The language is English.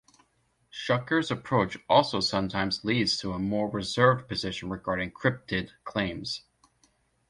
Shuker's approach also sometimes leads to a more reserved position regarding cryptid claims.